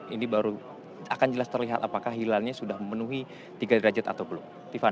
ini baru akan jelas terlihat apakah hilalnya sudah memenuhi tiga derajat atau belum